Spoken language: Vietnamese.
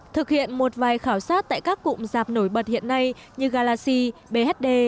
thực hiện một vài khảo sát tại các cụm rạp nổi bật hiện nay như galaxy bhd